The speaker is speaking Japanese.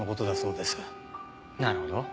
なるほど。